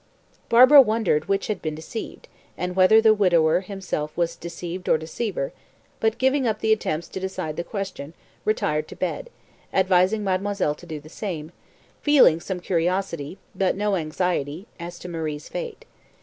Barbara wondered which had been deceived, and whether the widower himself was deceived or deceiver, but, giving up the attempt to decide the question, retired to bed, advising mademoiselle to do the same, feeling some curiosity, but no anxiety, as to Marie's fate.